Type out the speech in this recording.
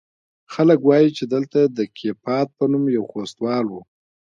خلق وايي چې دلته د کيپات په نوم يو خوستوال و.